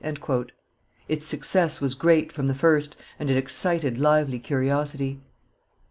Its success was great from the first, and it excited lively curiosity.